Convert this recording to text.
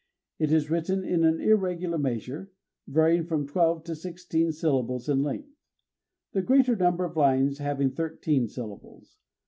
It is written in an irregular measure, varying from twelve to sixteen syllables in length; the greater number of lines having thirteen syllables.